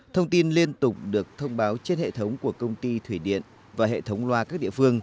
thông tin liên tục được thông báo trên hệ thống của công ty thủy điện và hệ thống loa các địa phương